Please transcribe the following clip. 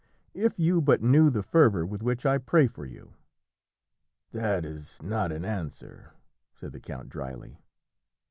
If you but knew the fervour with which I pray for you!" "That is not an answer," said the count drily.